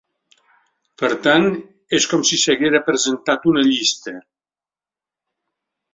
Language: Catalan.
Per tant, és com si s’haguera presentat una llista.